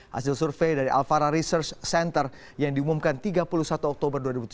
hasil survei dari alvara research center yang diumumkan tiga puluh satu oktober dua ribu tujuh belas